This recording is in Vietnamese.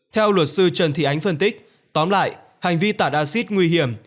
theo luật sư trần thị ánh phân tích tóm lại hành vi tả acid nguy hiểm